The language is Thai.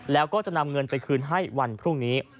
แล้วก็จะนำเงินไปคืนให้วันพรุ่งนี้